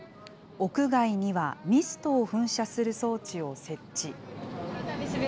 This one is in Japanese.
屋外にはミストを噴射する装置を設置。